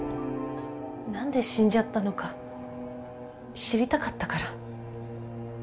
何で死んじゃったのか知りたかったから。